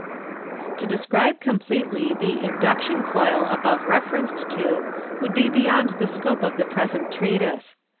To describe completely the " induction coil," above referred to* MODERN MAGIC. 4*5 would be beyond the scope of the present treatise.